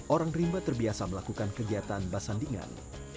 orang rimba terbiasa melakukan kegiatan basandingan